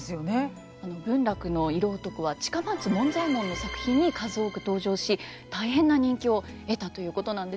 文楽の色男は近松門左衛門の作品に数多く登場し大変な人気を得たということなんですよね。